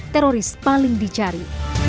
teroris paling dicari